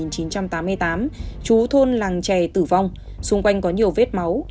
trước năm một nghìn chín trăm tám mươi tám chú thôn làng trè tử vong xung quanh có nhiều vết máu